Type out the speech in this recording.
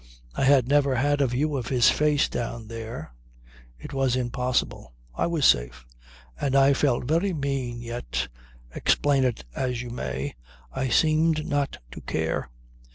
I had never had a view of his face down there. It was impossible; I was safe; and I felt very mean, yet, explain it as you may, I seemed not to care.